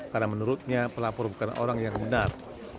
karena menurutnya pelapor bukan orang yang benar